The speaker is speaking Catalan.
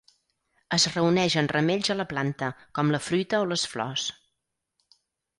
Es reuneix en ramells a la planta, com la fruita o les flors.